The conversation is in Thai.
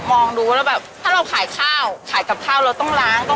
มองดูว่าแล้วแบบถ้าเราขายข้าวขายกับข้าวเราต้องล้างต้อง